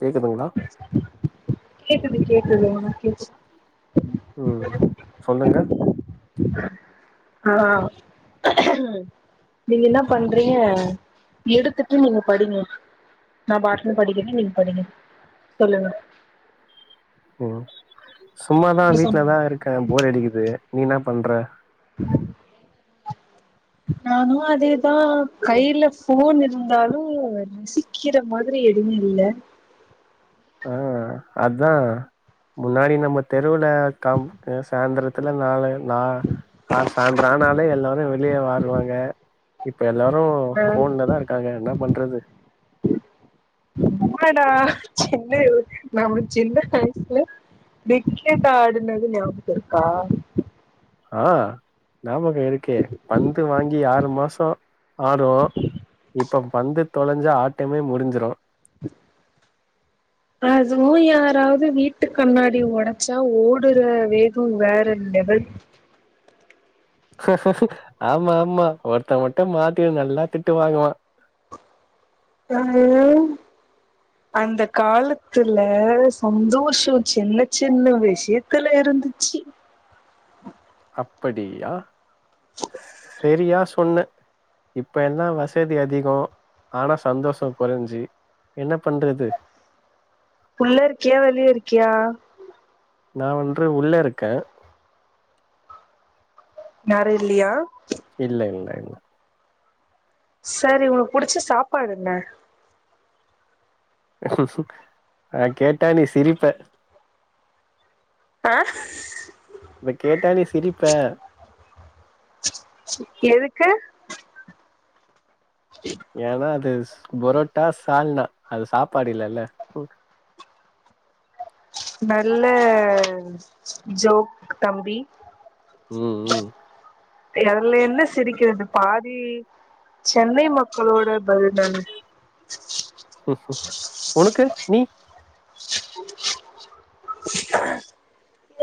கேக்குதுங்ளா கேக்குது கேக்குது உனக் கேக்கு ம் சொல்லுங்க ஆ நீங்க என்னா பண்றீங்க எடுத்துட்டு நீங்க படிங்க நா பாட்னு படிக்கறே நீங்க படிங்க சொல்லுங்க, ம் சும்மாதா நீங்க சொல்லுங்க வீட்லதா இருக்கே போர் அடிக்குது நீ என்ன பண்ற? நானு அதேதா கைல ஃபோன் இருந்தாலு ரசிக்கிற மாதிரி எதுமே இல்ல. அ அதா முன்னாடி நம்ம தெருவுல கவ் க சாயந்திரத்துல நாலு நா ஆ சாந்தரோ ஆனாலே எல்லோரு வெளிய வாருவாங்க இப்ப எல்லாரு ஆ ஃபோன்ல தா இருக்காங்க என்ன பண்றது ஆமாடா சின்ன நம்ம சின்ன வயசுல பிக்கெட் ஆடுனது நியாபகோ இருக்கா ஆ நாபகோ இருக்கே பந்து வாங்கி ஆறு மாசோ ஆடுவோ இப்போ பந்து தொலைஞ்சு ஆட்டமே முடிஞ்சிரு அதுவு யாராவ்து வீட்டு கண்ணாடி ஒடச்சா ஓடுற வேகொ வேற லெவல். ஆமா ஆமா ஒருத்த மட்டு மாட்டின்னு நல்லா திட்டு வாங்குவா தம்பி அந்த காலத்துல சந்தோஷொ சின்ன சின்ன விஷய த்துல இருந்துச்சு அப்படியா செரியா சொன்ன இப்ப எல்லா வசதி அதிகோ ஆனா சந்தோஷோ கொறஞ்சு என்னா பண்றது உள்ள இருக்கியா வெளிய இருக்கியா நா வந்று உள்ளே இருக்கே யாரு இல்லியா இல்ல இல்ல இல்ல சரி உனக்கு புடிச்ச சாப்பாடு என்ன? ஆ கேட்டா நீ சிரிப்ப ஆ அத கேட்டா நீ சிரிப்ப எதுக்கு ஏனா அது பொரோட்டா சால்னா அது சாப்பாடு இல்லல்ல நல்ல ஜோக் தம்பி. ம் ம் அதுல என்ன சிரிக்கிறது பாதி சென்னை மக்களோட பயந்தான உனக்கு நீ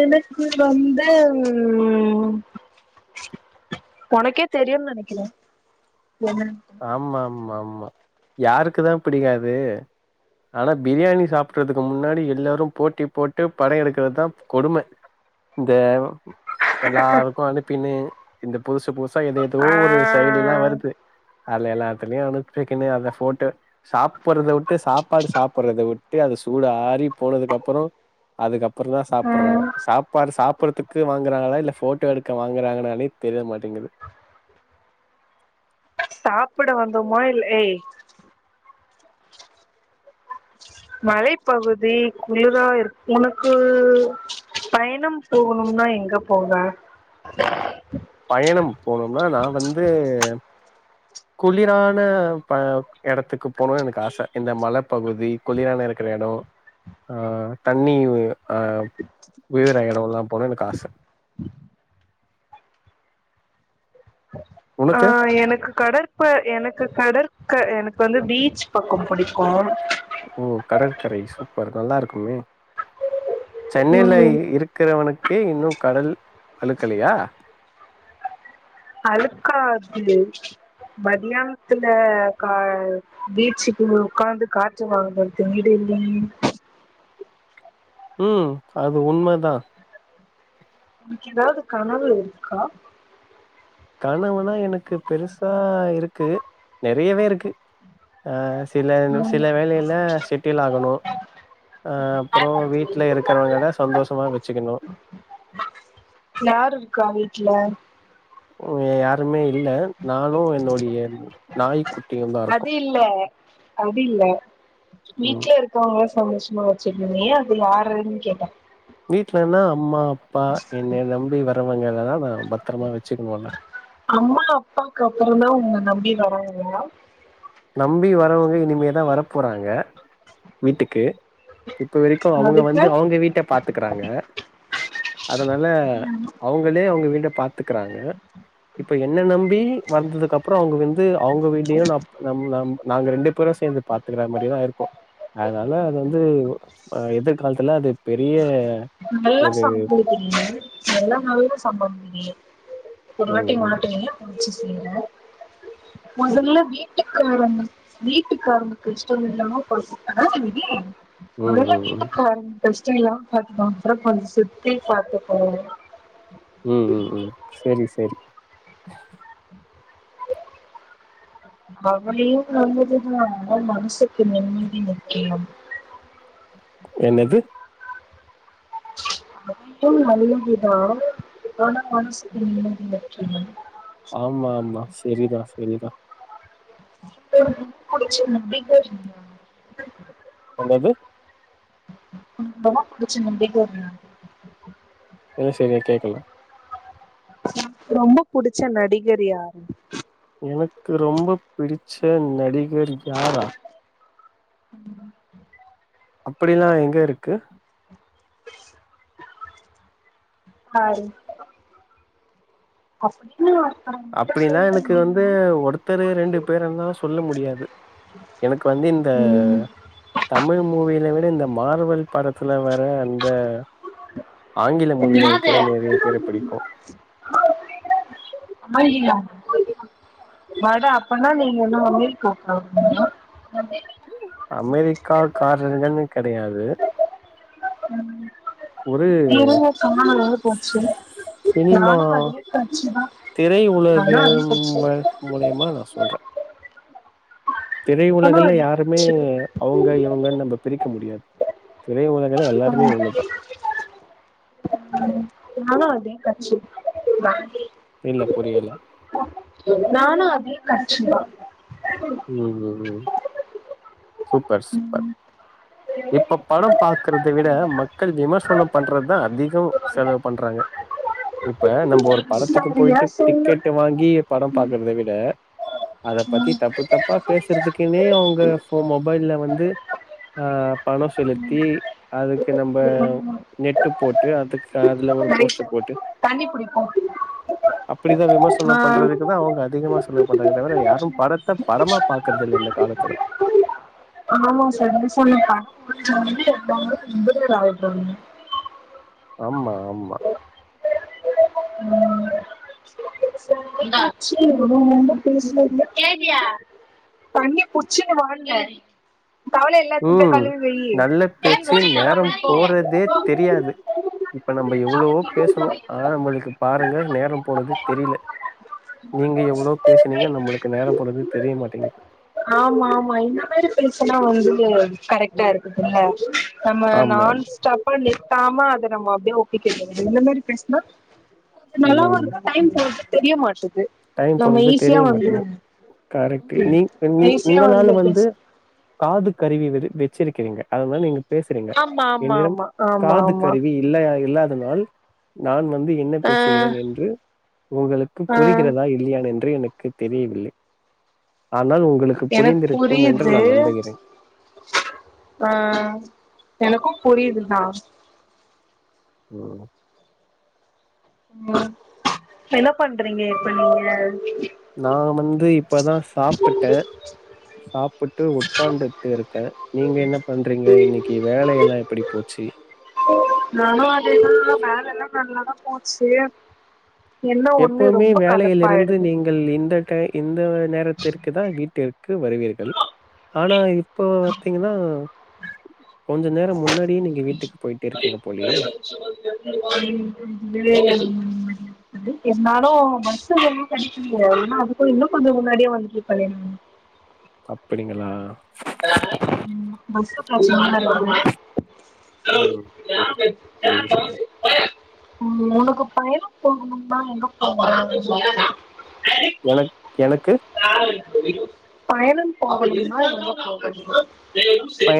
எனக்கு வந்து ம் ஒனக்கே தெரியுன் நெனக்கிறே என்ன ஆமாமாமா யாருக்கு தா பிடிக்காது ஆனா பிரியாணி சாப்பட்றதுக்கு முன்னாடி எல்லாரு போட்டி போட்டு பட எடுக்றது தா கொடும தேவ எல்லாருக்கு அனுப்பினு இந்த புதுசு புதுசா ஏதாதோ ஆ ஒரு செயலிலா வருது அதுல எல்லாத்துலயு அனுப்ச்வக்னு அந்த ஃபோட்டோ சாப்றத விட்டு சாப்பாடு சாப்றத விட்டு அது சூடு ஆறி போனதுக்கு அப்பறோ அதுக்கப்பறதா சாப்பறாக ம் சாப்பாடு சாப்பட்றதுக்கு வாங்குறாங்களா இல்ல ஃபோட்டோ எடுக்க வாங்கறாங்னாலே தெரிய மாட்டேங்குது சாப்பட வந்தோமோ இல் ஏய் மலைப்பகுதி குளிரா இருக் உனக்கு பயணம் போகணும்னா எங்க போவ [inaudible] பயணம் போணும்னா நா வந்து குளிரான ப எடத்துக்கு போணுனு எனக்கு ஆச இந்த மலப்பகுதி குளிரான இருக்ற எடோ ஆ தண்ணி ஆ வீழ்ற எடோலா போணு எனக்கு ஆச உனக்கு ஆ எனக்கு கடற் இப்ப எனக்கு கடற்க எனக்கு வந்து பீச் பக்கோ புடிக்கு ஓ கடற்கரை சூப்பர் நல்லாருக்குமே சென்னைலை ம் இரு க்றவனுக்கே இன்னு கடல் அலுக்கலயா அலுக்காது மதியானத்துல கா பீச்சுக்கு உக்காந்து காத் சுமா படுத் தூங்கிட்ருந்தே ம் அது உண்மதா உனக்கு ஏதாவது கனவு இருக்கா கனவுனா எனக்கு பெருசா இருக்கு நெறையவே இருக்கு ஆ சில சில வேலைல்ல செட்டில் ஆகணு அ அப்றோ வீட்ல இருக்கிறவங்கல சந்தோஷமா வச்சுக்கணு யாரு இருக்கா வீட்ல இங்க யாருமே இல்ல நானு என்னுடைய நாய்க்கு அது இல்ல அது இல்ல ம் வீட்ல இரு க்வுங்ள சந்தோஷ்மா வச்சுக்ணுயே அது யாருன் கேட்டே வீட்லனா அம்மா அப்பா என்னய நம்பி வரவங்கலெலா நா பத்தரமா வச்சுக்ணுல அம்மா அப்பாக்கு அப்றோந்தா உன்ன நம்பி வரவுங்க நம்பி வரவங்க இனிமேதா வர போறாங்க வீட்டுக்கு இப்ப வரைக்கு அவுங்க அதுக்கு வந்து அவுங்க வீட்ட பாத்துக்றாங்க அதனால அவு ங்ளே அவுங்க வீட்ட பாத்துக்றாங்க இப்ப என்ன நம்பி வந்ததுக்கு அப்றோ அவுங்க வந்து அவுங்க வீடயு நா நம் நாம் நாங்க ரெண்டு பேரு சேந்து பாத்துக்குற மாரிதா இருக்கு அதனால அது வந்து எதிர்கால்த்துல அது பெரிய நல்லா ஒரு [unintelligible] நல்ல நல்ல [unintelligible] ஒரு வாட்டி ம் மாத்துனே பிஸ்மில மொதல்ல வீட்டுக்கு வாங்கனு வீட்டுக்காரங்ளுக்கு இஷ்டம் இல்லாம [unintelligible] ம் ம் மொதல்ல ம் வீட்டுக்காரங்க பிரச்சன இல்லாம பாத்துப்பா அப்புற கொஞ்சம் சுத்தி பாத்துப்போங்க ம் ம் ம் சேரி சேரி அவனே வந்துட்டு மனசுக்கு நிம்மதி வேணு என்னது சு நல்லதுதா ஆனா மனசுக்கு நிம்மதி முக்கிய ஆமா ஆமா செரிதா செரிதா உங்களுக்கு புடிச்ச நடிகர் யாரு என்னது ஒனக்கு ரொம்ப புடிச்ச நடிகர் யாரு இல்ல சரியா கேக்கல ரொம்ப புடிச்ச நடிகர் யாரு எனக்கு ரொம்ப பிடிச்ச நடிகர் யாரா அப்படிலா எங்க இருக்கு ஆ அப்படின்னு அர்த்தம் அப்படிலா எனக்கு வந்து ஒருத்தரு ரெண்டு பேரெல்லா சொல்ல முடியாது எனக்கு வந்து இந்த தமிழ் மூவியில விட இந்த மார்வல் படத்துல வர அந்த ஆங்கில மூவில இருக்கிற நெறைய பேர பிடிக்கு [inaudible] ஆய்லியா வட அப்பன்னா நீங்க என்னயு கூப்டனு அமெரிக்கா காரர்கள்னு கெடையாது ஒரு இருங்க காணோம் எங்க ஸ் போச்சு சினிமா நானு அதே கட்சிதா திரை நானு உலக அதே கட்சி ம மூலியமா நா சொல்றே திரை உலகுல நானு அதே யாருமே கட்சி அவங்க இவங்கன்னு நம்ப பிரிக்க முடியாது திரை உலகுல எல்லாருமே ஒன்னுதா நானு அதே கட்சிதா இல்ல புரியல நானு அதே கச்சிதா ம் ம் சூப்பர் சூப்பர் அது எனக் இப்ப படம் பாக்றத விட மக்கள் விமர்சனம் பண்றதா அதிகோ செலவு பண்றாங்க இப்ப நம் ஒரு படத்துக்கு சரியா போய்ட்டு சொல்லு டிக்கெட் வாங்கி படம் பாக்கறத விட அத பத்தி தப்பு தப்பா பேசுறதுக்குனே அவங்க மொபைல்ல வந்து ஆ பணோ செலுத்தி அதுக்கு நம்ப நெட்டு போட்டு அதுக்கு அதுல ஒரு போஸ்ட ரைட்டு போட்டு தண்ணி புடிப்போ அப்டிதா விமர்சனோ ஆ பண்றதுக்கு தா அவுங்க அதிகமா செலவு பண்றாங்க தவிர யாரும் படத்த படமா பாக்குறது இல்ல இந்த காலத்துல ஆமா சார் நீங்க சொன்னதா [inaudible] ஆமா ஆமா ஆ [unintelligible] தண்ணி புச்சன்னு வான்ட ம் நல்ல தண்ணி பேச்சு வச்சு ஃபுல்லா நேரம் குடிப்போம் போறதே தெரியாது இப்ப நம்ம எவ்ளோவோ பேசுனோ ஆனா நம்மளுக்கு பாருங்க நேரோ போனது தெரில நீங்க எவ்ளோ பேசுனீங்க சரி நம்மளுக்கு நேரோ போனது தெரிய மாட்டேங்குது ஆமாமா இந்த மாரி பேசுனா வந்து கரெக்டா இருக்குதுல்ல நம்ம ஆமா, நான் ஆமா. ஸ்டாப்பா நிற்த்தாம அத நம்ம அப்டியே ஒப்பிக்றது நல்லா ஒரு ம். டைம் போறது தெரிய மாட்டுது டைம் நம்ம போறது ஈஸியா தெரிய வந்து மாட்டேங்குது கரெக்ட் நீ நீ ஈஸியா உங்களால பேச வந்து காது கருவி வது வெச்சிருக்கிங்க அதல்லான் நீங்க பேசுறீங்க ஆமா ஆமா என்னிடம் ஆமா ஆமா காது ஆமா கருவி இல்லயா இல்லாதனால் நான் வந்து என்ன ஆ பேசுகிறேன் என்று உங்களுக்கு ஆ புரி கிறதா இல் லயா என்று எனக்கு தெரியவில்லை ஆனால் உங்ளுக்கு எனக்கு புரிந்திருக்கும் என்று புரியுது நான் நம்புகிறேன் ஆ எனக்கும் புரியுதுதான் ம் உம் என்ன பண்றீங்க இப்ப நீங்க நா வந்து இப்பதா சாப்பிட்டே சாப்புட்டு உட்காந்துட்டுருக்கே நீங்க என்ன பண்றீங்க இன்னைக்கு வேல எல்லா எப்படி போச்சு நானும் அதேதா ஆனா வேல எல்லாம் நல்லாதான் போச்சு என்ன ஒண்ணு எப்பவுமே ரொம்ப வேலையிலிருந்து கலுப்பாயிடுது நீங்கள் இந்த டை இந்த நேரத்திற்கு தா வீட்டிற்கு வருவீர்கள் ஆனா இப்போ பாத்தீங்கன்னா கொஞ்ச நேரம் முன்னாடியே நீங்க வீட்டுக்கு போயிட்டே இருக்கீங்க போலயே ம் [unintelligible] [unintelligible] இருந்தாலு பஸ்சு கிடைக்கலையே இல்லனா அதுக்கு இன்னு கொஞ்சோ முன்னாடியே வந்துருப்பேனே நானு அப்படிங்களா ம் [unintelligible] ம் புரியுது புரிகிற ஒரு ம் உனக்கு பயணம் போங்கணுனா எங்க போவ [unintelligible] எனக் எனக்கு பயணம் போகணும்னா எங்க போகணும்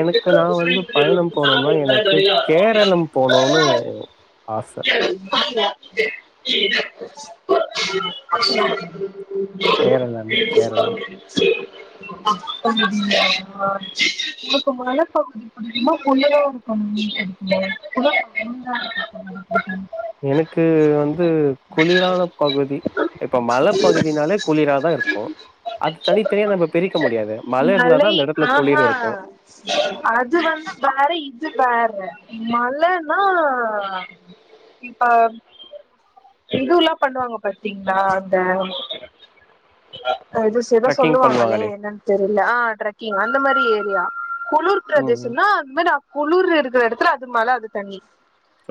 எனக்கு நா வந்து பயணம் போனும்னா எனக்கு சாப்பிட்டு கே ரளம் போனுன்னு ஆச [unintelligible] [unintelligible] கேரளம், கேரளம். அப்படியா உங்களுக்கு மல பகுதி புடிக்குமா [unintelligible] அம் இருக்கு [unintelligible] எனக்கு வந்து குளிரானப் பகுதி இப்ப மல பகுதினாலே குளிராதா இருக்கு அது தனித்தனியா நம்ம பிரிக்க முடியாது மல மலை இருந்தாதா அந்த எடத்துல ஆஹா குளிர் இருக்கு அது வந்து வேற இது வேற மலன்னா இப்ப இதூல்லா பண்ணுவாங்க பாத்தீங்களா அந்த ராஜஸ் ச்ச ஏதோ ட்ரெக்கிங் சொல்லுவாங்களே பண்ணுவாங்களே என்னன்னு தெர்யில ஆ டிரக்கிங் அந்த மாரி ஏரியா குளுர் ம் பிரதேசனா அந் மாரி குளுர் இருக்கற எடத்துல அது மல அது தனி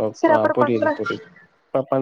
ஓ ஆ புரியது புரியது இப்ப பண்